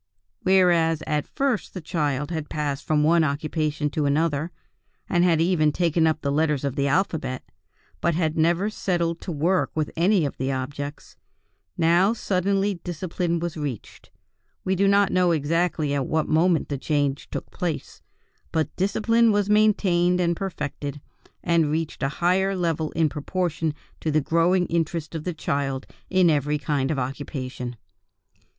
"Whereas at first the child had passed from one occupation to another, and had even taken up the letters of the alphabet, but had never settled to work with any one of the objects, now suddenly discipline was established. We do not know exactly at what moment the change took place, but discipline was maintained and perfected, and reached a higher level in proportion to the growing interest of the child in every kind of occupation.